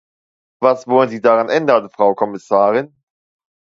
Was wollen Sie daran ändern, Frau Kommissarin?